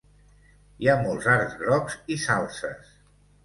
Hi ha molts arcs grocs i salzes.